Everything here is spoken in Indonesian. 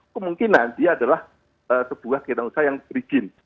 kemungkinan dia adalah sebuah kegiatan usaha yang berizin